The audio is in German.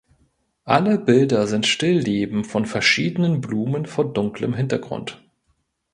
Alle Bilder sind Stillleben von verschiedenen Blumen vor dunklem Hintergrund.